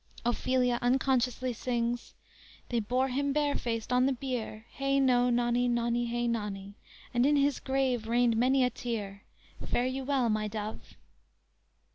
"_ Ophelia unconsciously sings: _"They bore him barefaced on the bier; Hey no nonny, nonny hey nonny; And in his grave rained many a tear Fare you well, my dove!"